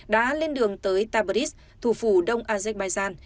đã lên đường tới tabriz thủ phủ đông azerbaijan